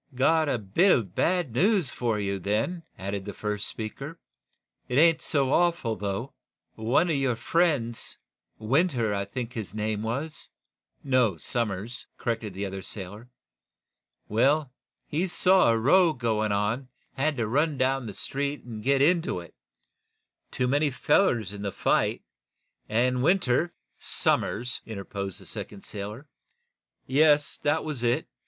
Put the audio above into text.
"Got a bit of bad news for you, then," added the first speaker. "It ain't so awful bad, though. One of your friends Winter, I think his name was " "No; Somers," corrected the other sailor. "Well, he saw a row going on, and he had to run down the street and get into it. Too many fellers in the fight, and Winter " "Somers," interposed the second sailor. "Yes; that was it.